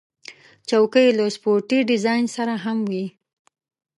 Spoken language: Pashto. چوکۍ له سپورټي ډیزاین سره هم وي.